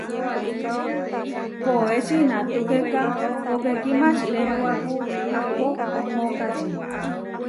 Poéči inatúkeka, póke kimači répuapu ahpó ohókači.